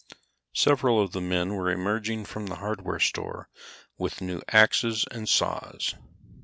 Several of the men were emerging from the hardware store with new axes and saws.